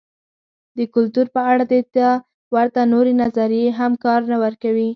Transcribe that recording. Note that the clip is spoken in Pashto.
د کلتور په اړه دې ته ورته نورې نظریې هم کار نه ورکوي.